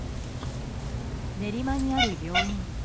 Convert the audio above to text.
練馬にある病院。